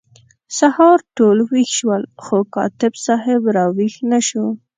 سهار ټول ویښ شول خو کاتب صاحب را ویښ نه شو.